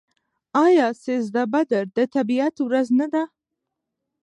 آیا سیزده بدر د طبیعت ورځ نه ده؟